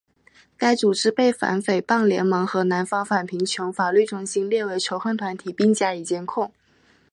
该组织被反诽谤联盟和南方反贫穷法律中心列为仇恨团体并加以监控。